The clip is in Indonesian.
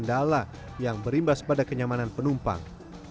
kendala yang berimbas pada kenyamanan penumpang